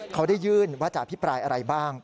เขาได้ยื่นว่าจะอภิปรายอะไรบ้าง